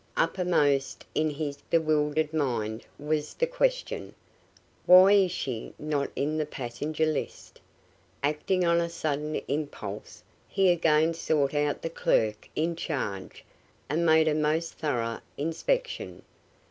Uppermost in his bewildered mind was the question: Why is she not in the passenger list? Acting on a sudden impulse, he again sought out the clerk in charge and made a most thorough inspection.